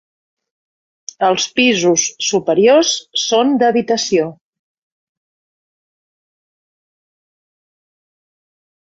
Els pisos superiors són d'habitació.